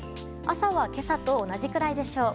朝は今朝と同じくらいでしょう。